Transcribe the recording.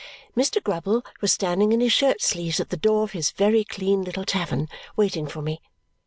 Mr. Grubble was standing in his shirt sleeves at the door of his very clean little tavern waiting for me.